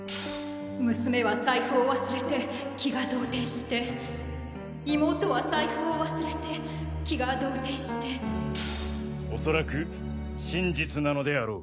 娘は財布を忘れて気が動転して妹は財布を忘れて気が動転しておそらく真実なのであろう。